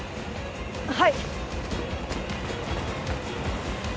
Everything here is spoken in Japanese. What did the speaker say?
はい！